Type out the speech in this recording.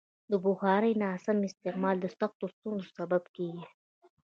د بخارۍ ناسم استعمال د سختو ستونزو سبب کېږي.